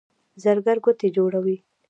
زرګر ګوتې جوړوي.